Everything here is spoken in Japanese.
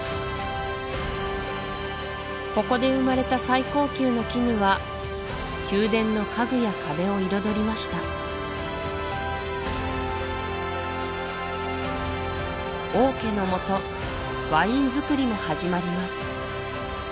ここで生まれた最高級の絹は宮殿の家具や壁を彩りました王家のもとワインづくりも始まります